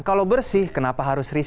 kalau bersih kenapa harus riset